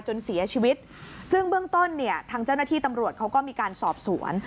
จนเสียชีวิตซึ่งเบื้องต้นเนี่ยทางเจ้าหน้าที่ตำรวจเขาก็มีการสอบสวน